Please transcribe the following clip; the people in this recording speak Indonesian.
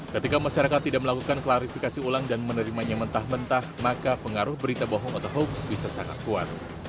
ketika masyarakat tidak melakukan klarifikasi ulang dan menerimanya mentah mentah maka pengaruh berita bohong atau hoax bisa sangat kuat